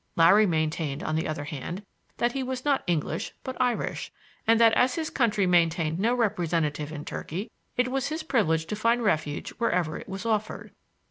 Larry maintained, on the other hand, that he was not English but Irish, and that, as his country maintained no representative in Turkey, it was his privilege to find refuge wherever it was offered.